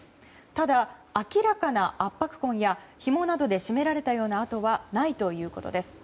ただ、明らかな圧迫痕やひもなどで絞められたような痕はないということです。